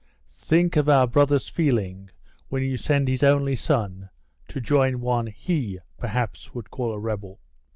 Think of our brother's feeling when you send his only son to join one he, perhaps, would call a rebel!"